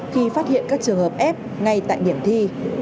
khi phát hiện các trường hợp f ngay tại điểm thi